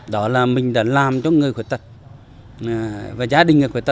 đó là mình đã làm cho người khuyết tật và gia đình người khuyết tật